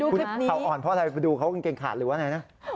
ไขวอ่อนเพราะอะไรไปดูเขากางเกงขาดหรืออะไรนะ